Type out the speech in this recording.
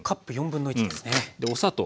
でお砂糖。